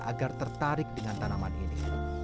agar tertarik dengan tanaman ini